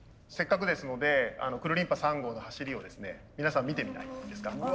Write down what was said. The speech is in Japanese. せっかくですのでくるりんぱ３号の走りをですね皆さん見てみないですか？